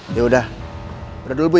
yaudah berdua dulu ya